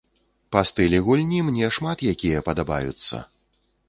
Па стылі гульні мне шмат якія падабаюцца.